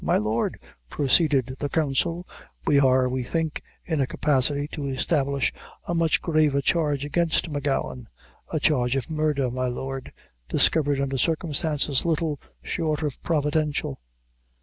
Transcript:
"My lord," proceeded the counsel, "we are, we think, in a capacity to establish a much graver charge against M'Gowan a charge of murder, my lord, discovered, under circumstances little short of providential."